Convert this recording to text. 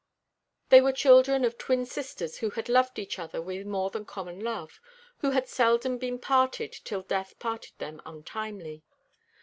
They were children of twin sisters who had loved each other with more than common love, who had seldom been parted till death parted them untimely.